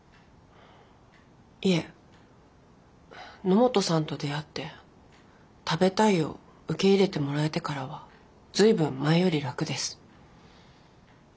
いえ野本さんと出会って「食べたい」を受け入れてもらえてからはずいぶん前より楽です。